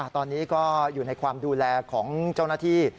ตอนนี้ก็อยู่ในความดูแลของเจ้าหน้าที่